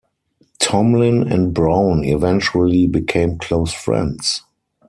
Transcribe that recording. Tomlin and Brown eventually became close friends.